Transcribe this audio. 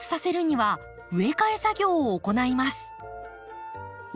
はい。